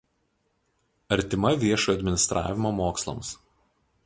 Artima viešojo administravimo mokslams.